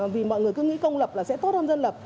vì mọi người cứ nghĩ công lập là sẽ tốt hơn dân lập